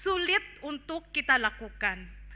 sulit untuk kita lakukan